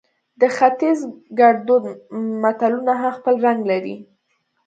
د ختیز ګړدود متلونه هم خپل رنګ لري